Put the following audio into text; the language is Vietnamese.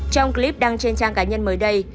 trong clip đăng trên trang cá nhân mới đây